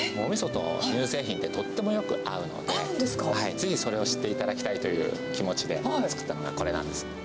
ぜひそれを知っていただきたいという気持ちで作ったのがこれなんです。